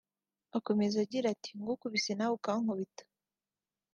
Akomeza agira ati “Ngukubise nawe ukankubita